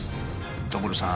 所さん！